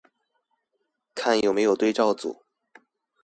看有沒有對照組